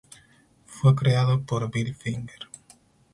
Fue creado por Bill Finger.